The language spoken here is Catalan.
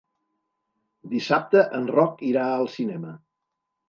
Dissabte en Roc irà al cinema.